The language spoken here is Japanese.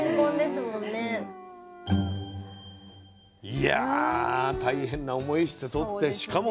いや大変な思いしてとってしかも